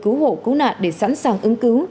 cứu hộ cứu nạn để sẵn sàng ứng cứu